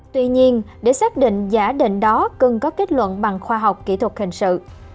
tuy nhiên để xác định giả định đó cần có kết luận bằng khoa học kỹ thuật hình sự